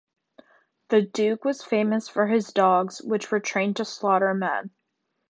The duke was famous for his dogs, which were trained to slaughter men.